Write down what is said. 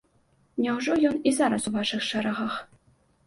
Няўжо ён і зараз у вашых шэрагах?